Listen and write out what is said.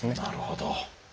なるほど。